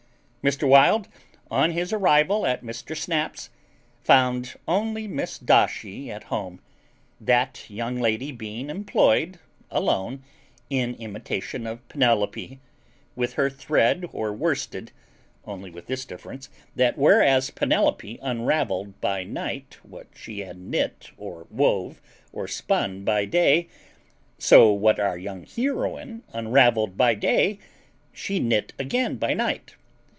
Mr. Wild, on his arrival at Mr. Snap's, found only Miss Doshy at home, that young lady being employed alone, in imitation of Penelope, with her thread or worsted, only with this difference, that whereas Penelope unravelled by night what she had knit or wove or spun by day, so what our young heroine unravelled by day she knit again by night.